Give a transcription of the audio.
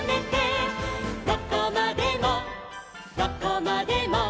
「どこまでもどこまでも」